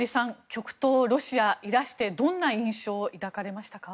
極東ロシアにいらしてどんな印象を抱かれましたか？